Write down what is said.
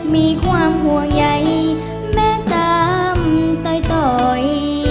มีความห่วงใหญ่แม่ตามต่อยต่อย